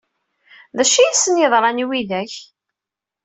D acu ay asen-yeḍran i widak?